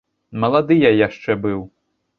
Малады я яшчэ быў.